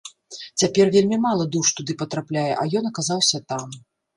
Цяпер вельмі мала душ туды патрапляе, а ён аказаўся там.